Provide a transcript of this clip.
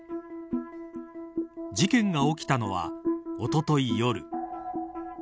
事件が起きたのはおととい夜。